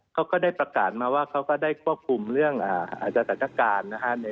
ก็ได้ประกาศมาว่าเขาก็ได้ควบคุมเรื่องสถานการณ์นะฮะ